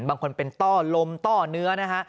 บางคนเป็นต้อลมต้อเนื้อนะฮะ